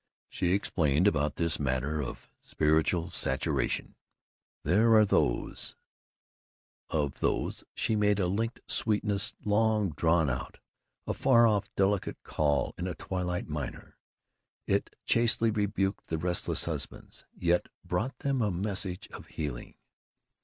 She explained about this matter of Spiritual Saturation: "There are those " Of "those" she made a linked sweetness long drawn out; a far off delicate call in a twilight minor. It chastely rebuked the restless husbands, yet brought them a message of healing.